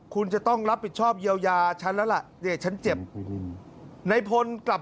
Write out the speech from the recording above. คุณจะต้องรับผิดชอบเยียวยาฉันแล้วล่ะเนี่ยฉันเจ็บในพลกลับ